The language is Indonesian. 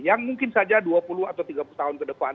yang mungkin saja dua puluh atau tiga puluh tahun ke depan